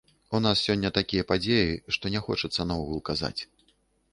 У нас сёння такія падзеі, што не хочацца наогул казаць.